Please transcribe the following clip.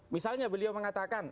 misalnya beliau mengatakan